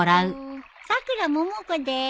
さくらももこです。